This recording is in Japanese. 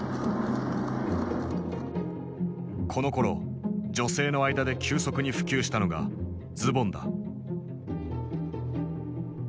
このころ女性の間で急速に普及したのがズボンだ。